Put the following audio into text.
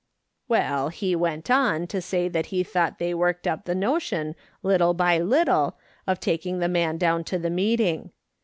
Well, he went on to say he thought they worked up the notion, little by little, of taking the man down to the meeting.